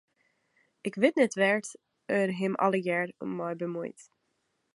Ik wit net wêr't er him allegearre mei bemuoit.